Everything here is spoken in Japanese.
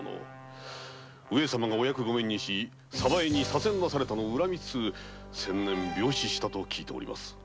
上様が御役御免にし鯖江に左遷なされたのを恨みつつ先年病死したと聞いております。